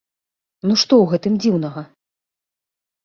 Ну што ў гэтым дзіўнага?